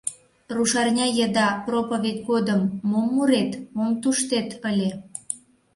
Рушарня еда проповедь годым мом мурет, мом туштет ыле?!